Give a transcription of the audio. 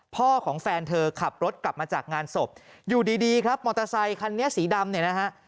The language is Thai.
พ่อของแฟนเธอขับรถกลับมาจากงานศพอยู่ดีดีครับมอเตอร์ไซคันนี้สีดำเนี่ยนะฮะ